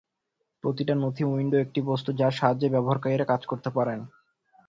প্রতিটি নথি উইন্ডো একটি বস্তু যার সাহায্যে ব্যবহারকারী কাজ করতে পারেন।